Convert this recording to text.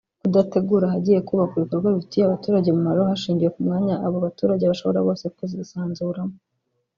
Kudategura ahagiye kubakwa ibikorwa bifitiye abaturage umumaro hashingiwe ku mwanya abo baturage bashobora bose kuzisanzuramo